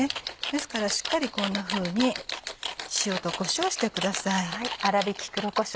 ですからしっかりこんなふうに塩とこしょうしてください。